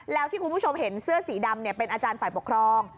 แล้วที่คุณผู้ชมเห็นเสื้อสีดำเป็นอาจารย์ฝ่ายปกครอง